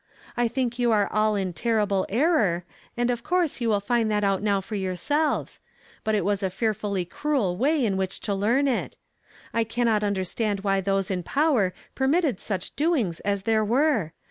I think y„u are all in teiTible error, and of course you will find that out now for youii^elves ; l)ut it was a fearfiillv cruel way in which to learn it. I cannot under stand why those in power permitted such doings as there were.